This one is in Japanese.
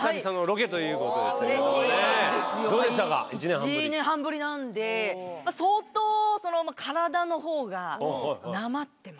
１年半ぶりなんで相当体のほうがなまってまして。